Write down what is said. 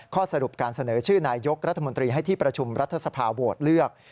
ข้อสรุปการเสนอชื่อนายกรัฐมนตรีให้ที่ประชุมรัฐสภาโหวตเลือก